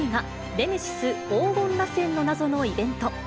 ネメシス黄金螺旋の謎のイベント。